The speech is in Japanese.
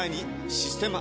「システマ」